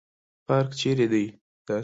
پارک چیرته دی؟